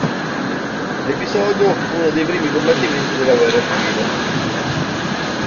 L'episodio fu uno dei primi combattimenti della guerra civile.